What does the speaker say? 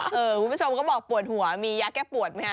คุณผู้ชมก็บอกปวดหัวมียาแก้ปวดไหมคะ